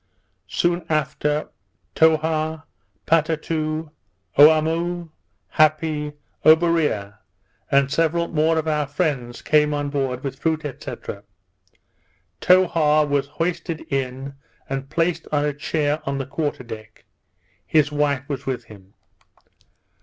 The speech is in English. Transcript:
Soon after, Towha, Potatou, Oamo, Happi, Oberea, and several more of our friends, came on board with fruit, &c. Towha was hoisted in and placed on a chair on the quarter deck; his wife was with him.